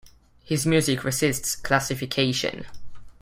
His music resists classification.